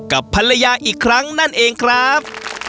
กับภรรยาอีกครั้งนั่นเองครับ